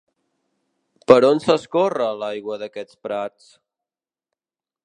Per on s'escorre, l'aigua d'aquests prats?